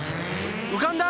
うかんだ！